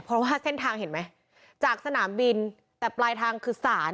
เพราะว่าเส้นทางเห็นไหมจากสนามบินแต่ปลายทางคือศาล